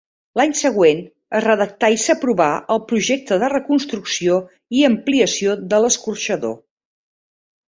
L'any següent es redactà i s'aprovà el projecte de reconstrucció i ampliació de l'escorxador.